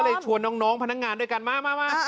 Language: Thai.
ชวนน้องพนักงานด้วยกันมา